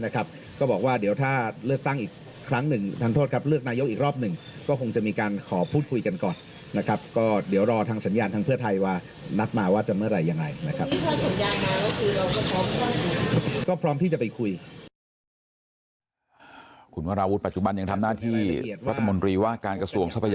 ก็เดี๋ยวรอทางสัญญาณทางเพื่อไทยว่านัดมาว่าจะเมื่อไรอย่างไรนะครับ